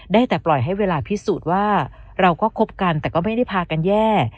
ได้แต่ปล่อยให้เวลาพิสูจน์ว่าเราก็คบกันแต่ก็ไม่ได้พากันแย่